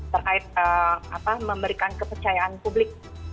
terkait memberikan kepercayaan publik